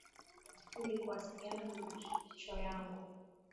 Ili kuwasiliana na macho yangu.